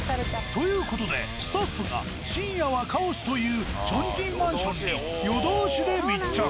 という事でスタッフが深夜はカオスというチョンキンマンションに夜通しで密着。